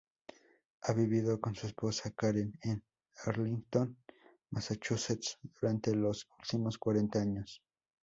Ha vivido con su esposa Karen en Arlington, Massachusetts, durante los últimos cuarenta años.